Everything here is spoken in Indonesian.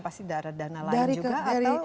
pasti dana dana lain juga atau